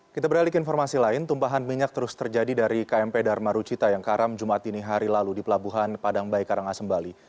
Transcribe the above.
kita beralih ke informasi lain tumpahan minyak terus terjadi dari kmp dharma rucita yang karam jumat ini hari lalu di pelabuhan padangbai karangasem bali